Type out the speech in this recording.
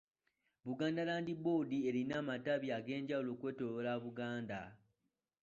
Buganda Land Board erina amatabi ag'enjawulo okwetooloola Buganda.